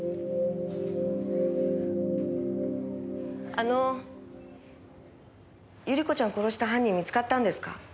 あの百合子ちゃん殺した犯人見つかったんですか？